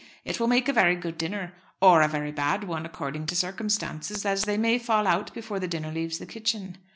"It will make a very good dinner, or a very bad one, according to circumstances, as they may fall out before the dinner leaves the kitchen."